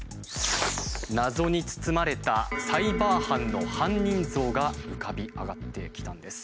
謎に包まれたサイバー犯の犯人像が浮かび上がってきたんです。